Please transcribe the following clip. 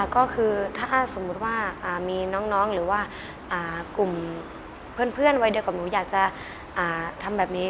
ก็คือถ้าสมมุติว่ามีน้องหรือว่ากลุ่มเพื่อนวัยเดียวกับหนูอยากจะทำแบบนี้